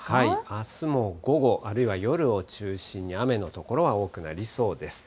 あすも午後、あるいは夜を中心に雨の所は多くなりそうです。